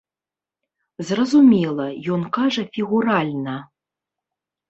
Зразумела, ён кажа фігуральна.